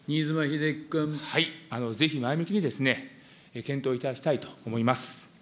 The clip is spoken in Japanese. ぜひ、前向きに検討いただきたいと思います。